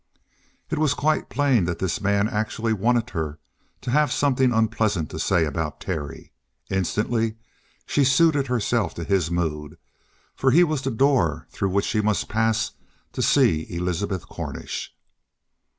It was quite plain that this man actually wanted her to have something unpleasant to say about Terry. Instantly she suited herself to his mood; for he was the door through which she must pass to see Elizabeth Cornish.